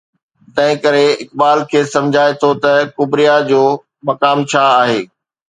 تنهن ڪري اقبال کيس سمجهائي ٿو ته ڪبريا جو مقام ڇا آهي؟